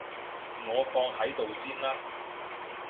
我放喺度先啦